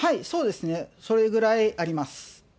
そうですね、それぐらいあります。